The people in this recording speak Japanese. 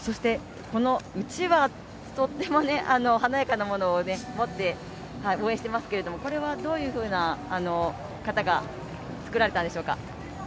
このうちわ、とっても華やかなものを持って応援してますけども、これはどういうふうな方が作られているんでしょうか。